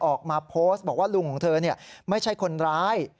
ออกมาโพสต์บอกว่าลุงของเธอไม่ใช่คนร้าย